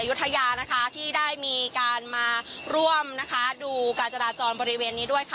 ยุธยานะคะที่ได้มีการมาร่วมนะคะดูการจราจรบริเวณนี้ด้วยค่ะ